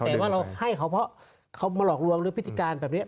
แต่ว่าเราให้เขาเพราะเขามาหลอกลวงหรือพฤติการแบบนี้